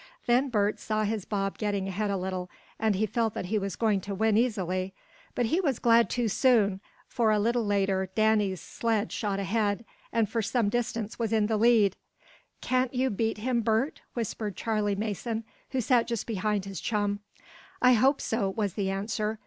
Then Bert saw his bob getting ahead a little, and he felt that he was going to win easily. But he was glad too soon, for, a little later, Danny's sled shot ahead, and for some distance was in the lead. "Can't you beat him, Bert?" whispered Charley Mason, who sat just behind his chum. "I hope so," was the answer.